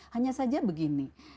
hanya saja begini